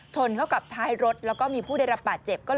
ชนเข้ากับท้ายรถแล้วก็มีผู้ได้รับบาดเจ็บ